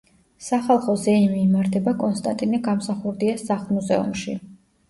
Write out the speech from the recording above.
სახალხო ზეიმი იმართება კონსტანტინე გამსახურდიას სახლ-მუზეუმში.